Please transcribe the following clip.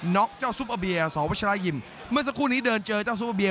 ็อกเจ้าซุปเปอร์เบียสวัชรายิมเมื่อสักครู่นี้เดินเจอเจ้าซูเปอร์เบีย